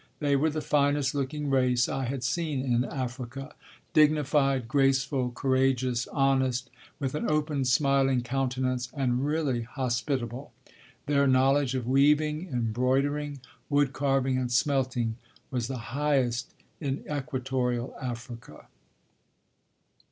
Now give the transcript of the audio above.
They were the finest looking race I had seen in Africa, dignified, graceful, courageous, honest, with an open, smiling countenance and really hospitable. Their knowledge of weaving, embroidering, wood carving and smelting was the highest in equatorial Africa.